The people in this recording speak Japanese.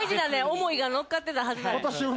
想いが乗っかってたはずなんで。